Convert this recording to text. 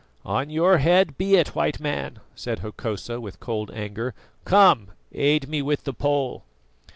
"On your head be it, White Man," said Hokosa, with cold anger. "Come, aid me with the pole."